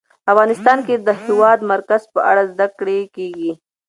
افغانستان کې د د هېواد مرکز په اړه زده کړه کېږي.